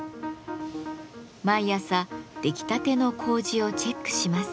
毎朝出来たての麹をチェックします。